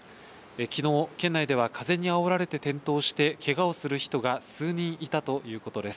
きのう県内では風にあおられて転倒してけがをする人が数人いたということです。